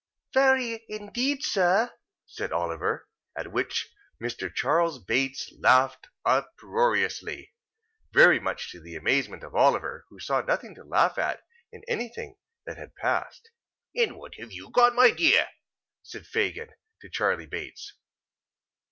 "Very indeed, sir," said Oliver. At which Mr. Charles Bates laughed uproariously; very much to the amazement of Oliver, who saw nothing to laugh at, in anything that had passed. "And what have you got, my dear?" said Fagin to Charley Bates.